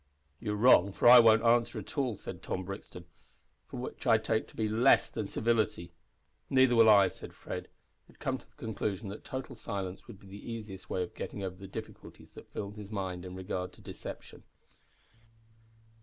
"You are wrong, for I won't answer at all," said Tom Brixton, "which I take to be less civility." "Neither will I," said Fred, who had come to the conclusion that total silence would be the easiest way of getting over the difficulties that filled his mind in regard to deception.